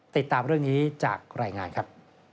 ติดตามเรื่องนี้จากรายงานครับ